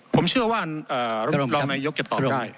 ผมเชื่อว่ารองนายกจะตอบได้